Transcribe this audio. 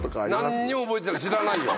何にも覚えてない知らないよ